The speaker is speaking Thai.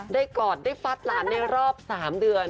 กอดได้ฟัดหลานในรอบ๓เดือน